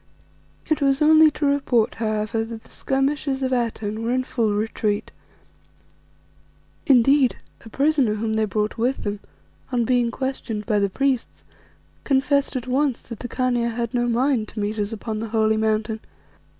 It was only to report, however, that the skirmishers of Atene were in full retreat. Indeed, a prisoner whom they brought with them, on being questioned by the priests, confessed at once that the Khania had no mind to meet us upon the holy Mountain.